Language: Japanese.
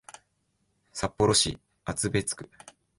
札幌市厚別区